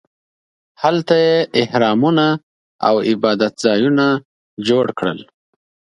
هلته یې اهرامونو او عبادت ځایونه جوړ کړل.